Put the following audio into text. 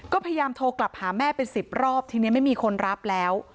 ก็พยายามโทรกลับหาแม่เป็น๑๐รอบทีนี้ไม่มีคนรับแล้ว